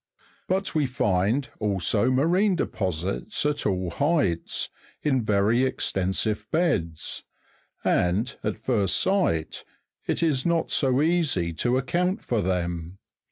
But we find also marine deposits at all heights, in very extensive beds, and at first sight it is not so easy to account for them.